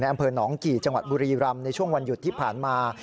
อำเภอหนองกี่จังหวัดบุรีรำในช่วงวันหยุดที่ผ่านมา